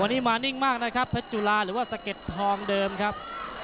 วันนี้มานิ่งมากนะครับเพชรจุฬาหรือว่าสะเก็ดทองเดิมครับ